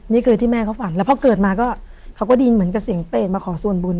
นี่คือที่แม่เขาฝันแล้วพอเกิดมาก็เขาก็ได้ยินเหมือนกับเสียงเปรตมาขอส่วนบุญ